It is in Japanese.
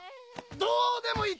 どうでもいい！